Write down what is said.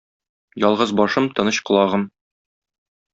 Ялгыз башым - тыныч колагым.